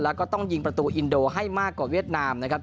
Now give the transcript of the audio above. แล้วก็ต้องยิงประตูอินโดให้มากกว่าเวียดนามนะครับ